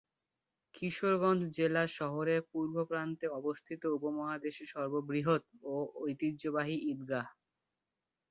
কিশোরগঞ্জ জেলা শহরের পূর্ব প্রান্তে অবস্থিত উপমহাদেশের সর্ববৃহৎ ও ঐতিহ্যবাহী ঈদগাহ।